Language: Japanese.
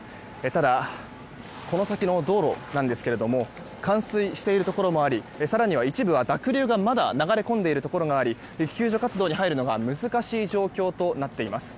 ただ、この先の道路なんですが冠水しているところもあり更には一部は濁流がまだ流れ込んでいるところがあり救助活動に入るのが難しい状況となっています。